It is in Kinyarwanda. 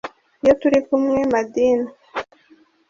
iyo turi kumwe madina